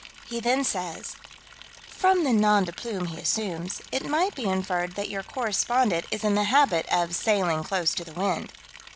He then says: "From the nom de plume he assumes, it might be inferred that your correspondent is in the habit of 'sailing close to the wind.'"